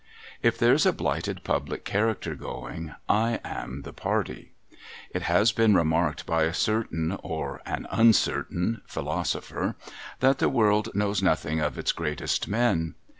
If there's a blighted public character going, I am the party. It has been remarked by a certain (or an uncertain) philosopher, that the world knows nothing of its greatest men.